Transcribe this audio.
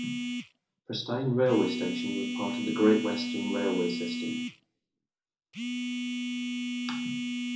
Presteign railway station was part of the Great Western Railway system.